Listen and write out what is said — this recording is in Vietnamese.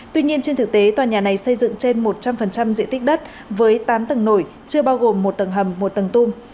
tuy nhiên trên thực tế tòa nhà này xây dựng trên một trăm linh diện tích đất với tám tầng nổi chưa bao gồm một tầng hầm một tầng tung